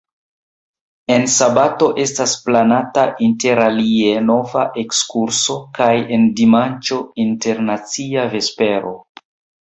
En sabato estas planata interalie nova ekskurso, kaj en dimanĉo internacia vespero.